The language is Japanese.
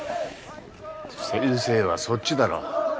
先生はそっちだろう。